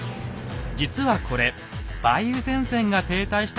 実はこれ梅雨前線が停滞した時のものでした。